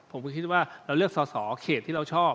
ผมก็คิดว่าเราเลือกสอสอเขตที่เราชอบ